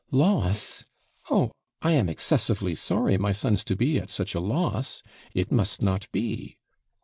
'Loss! Oh, I am excessively sorry my son's to be at such a loss it must not be.'